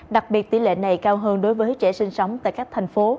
đặc biệt tỷ lệ này cao hơn đối với trẻ sinh sống tại các thành phố